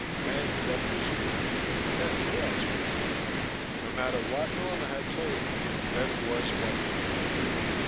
And death was good, death was what he wanted.... No matter what Norma had told him, death was what he wanted.